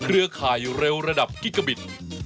เครือขายเร็วระดับกิกกะบิน